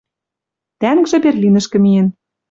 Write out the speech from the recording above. Тӓнгжӹ Берлинӹшкӹ миэн